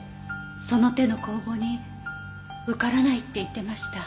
その手の公募に受からないって言ってました。